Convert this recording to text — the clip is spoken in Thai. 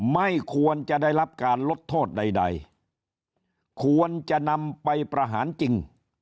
ไม่ควรจะได้รับการลดโทษใดควรจะนำไปประหารจริง